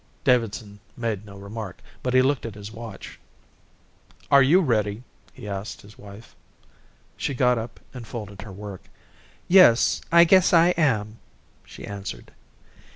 Davidson made no remark, but he looked at his watch. "Are you ready?" he asked his wife. She got up and folded her work. "Yes, I guess I am," she answered.